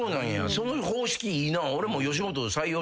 その方式いいなぁ。